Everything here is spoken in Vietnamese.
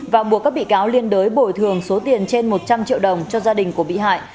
và buộc các bị cáo liên đới bồi thường số tiền trên một trăm linh triệu đồng cho gia đình của bị hại